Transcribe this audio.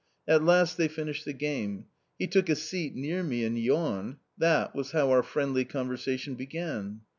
At last they finished the game. He took a seat near me and yawned ; that was how our friendly conversation began.